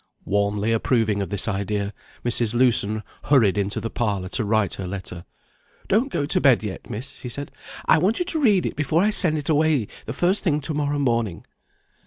Warmly approving of this idea, Mrs. Lewson hurried into the parlour to write her letter. "Don't go to bed yet, Miss," she said; "I want you to read it before I send it away the first thing to morrow morning."